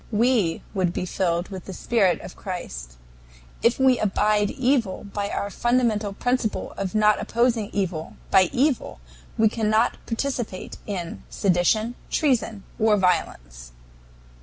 We would be filled with the spirit of Christ. If we abide evil by our fundamental principle of not opposing evil by evil we cannot participate in sedition, treason, or violence.